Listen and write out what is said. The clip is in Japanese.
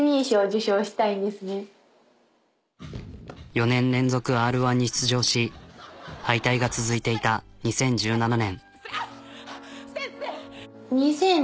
４年連続Ｒ−１に出場し敗退が続いていた２０１７年。